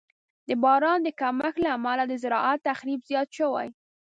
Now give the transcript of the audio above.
د باران د کمښت له امله د زراعت تخریب زیات شوی.